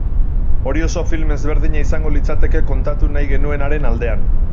Hori oso film ezberdina izango litzateke kontatu nahi genuenaren aldean.